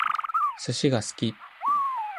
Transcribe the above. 寿司が好き